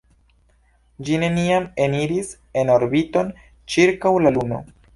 Ĝi neniam eniris en orbiton ĉirkaŭ la Luno.